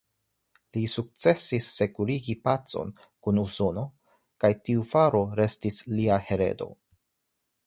Li sukcesis sekurigi pacon kun Usono kaj tiu faro restis lia heredo.